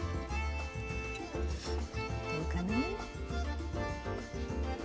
どうかな？